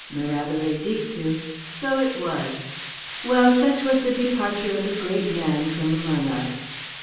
Mirabile dictu, so it was. Well, such was the departure of a great man from among us.